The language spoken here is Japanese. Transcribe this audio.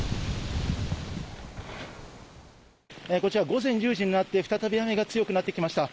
午前１０時になって再び雨が強くなってきました。